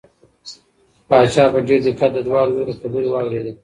پاچا په ډېر دقت د دواړو لوریو خبرې واورېدې.